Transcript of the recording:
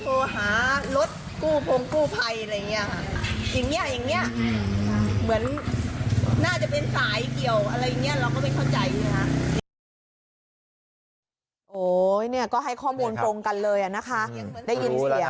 โอ้ยนี่ก็ให้ข้อมูลปรงกันเลยได้ยินเสียงอ่ะ